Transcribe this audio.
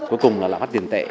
cuối cùng là lạm phát tiền tệ